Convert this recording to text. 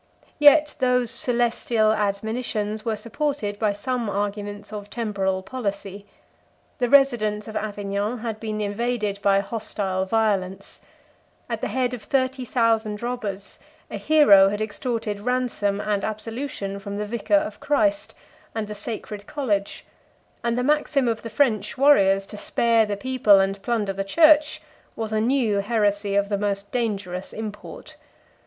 59 Yet those celestial admonitions were supported by some arguments of temporal policy. The residents of Avignon had been invaded by hostile violence: at the head of thirty thousand robbers, a hero had extorted ransom and absolution from the vicar of Christ and the sacred college; and the maxim of the French warriors, to spare the people and plunder the church, was a new heresy of the most dangerous import.